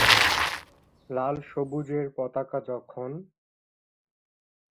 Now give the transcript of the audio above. লাল সবুজের পতাকা যখন